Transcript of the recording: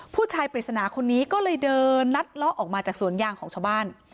ปริศนาคนนี้ก็เลยเดินลัดเลาะออกมาจากสวนยางของชาวบ้าน